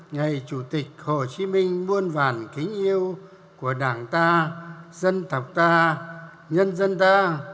ngày chủ tịch hồ chí minh muôn vàn kính yêu của đảng ta dân tộc ta nhân dân ta